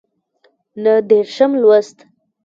نهه دیرشم لوست